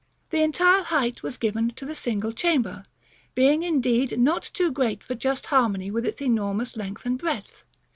The entire height was given to the single chamber, being indeed not too great for just harmony with its enormous length and breadth.